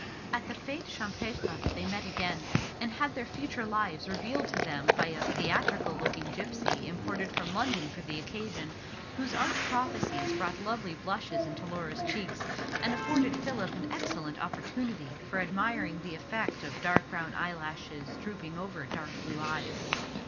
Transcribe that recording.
At the fête champêtre they met again; and had their future lives revealed to them by a theatrical looking gipsy imported from London for the occasion, whose arch prophecies brought lovely blushes into Laura's cheeks, and afforded Philip an excellent opportunity for admiring the effect of dark brown eyelashes drooping over dark blue eyes.